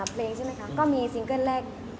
เพลงใช่ไหมคะก็มีซิงเกิ้ลแรก